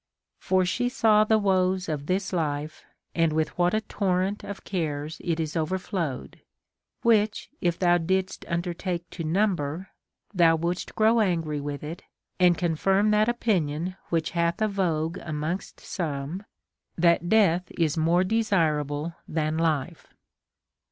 For she saw the woes of this life, and with wdiat a torrent of cares it is overflowed, — which if thou didst undertake to number, thou Avouldst grow angry with it, and confirm that opinion which hath a vogue amongst some, that death is more desirable than life.